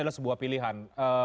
adalah sebuah pilihan